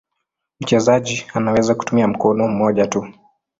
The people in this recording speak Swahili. Mchezaji anaweza kutumia mkono mmoja tu.